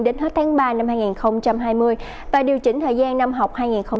đến hết tháng ba năm hai nghìn hai mươi và điều chỉnh thời gian năm học hai nghìn hai mươi hai nghìn hai mươi